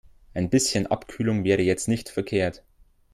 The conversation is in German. Ein bisschen Abkühlung wäre jetzt nicht verkehrt.